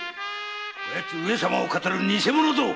こやつ上様を騙る偽者ぞ。